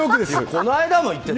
この間も言ってた。